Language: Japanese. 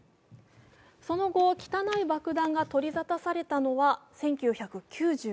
その後、汚い爆弾が取り沙汰されたのは１９９５年。